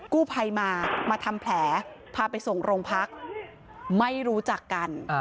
กู้ภัยมามาทำแผลพาไปส่งโรงพักไม่รู้จักกัน